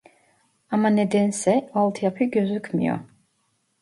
Ama nedense altyapı gözükmüyor